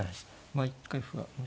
まあ一回歩が。